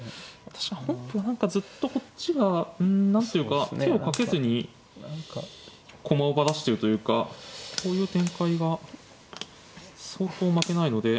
私は本譜は何かずっとこっちがうん何ていうか手をかけずに駒をバラしてるというかこういう展開が相当負けないので。